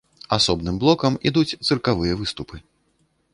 Асобным блокам ідуць цыркавыя выступы.